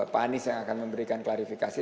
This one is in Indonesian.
pak anies yang akan memberikan klarifikasi